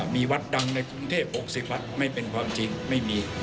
มีวัดดังในกรุงเทพ๖๐วัดไม่เป็นความจริงไม่มี